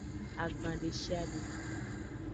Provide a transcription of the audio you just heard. Agban deshiade.